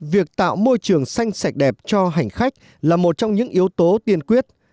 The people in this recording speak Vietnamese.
việc tạo môi trường xanh sạch đẹp cho hành khách là một trong những yếu tố tiên quyết